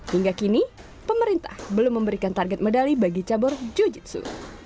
hingga kini pemerintah belum memberikan target medali bagi cabur jiu jitsu